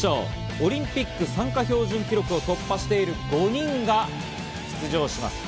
オリンピック参加標準記録を突破している５人が出場します。